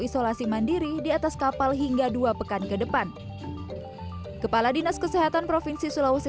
isolasi mandiri di atas kapal hingga dua pekan ke depan kepala dinas kesehatan provinsi sulawesi